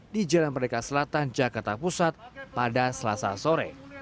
di jalan merdeka selatan jakarta pusat pada selasa sore